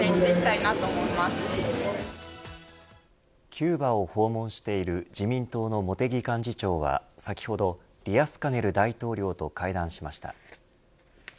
キューバを訪問している自民党の茂木幹事長は先ほどディアスカネル大統領と会談しました。